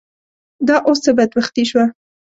دا اوس څه بدبختي شوه.